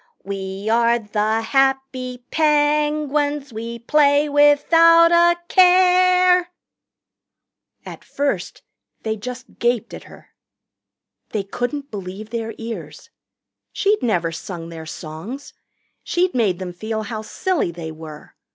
"We are the happy Penguins We play without a care ..." At first they just gaped at her. They couldn't believe their ears. She'd never sung their songs. She'd made them feel how silly they were.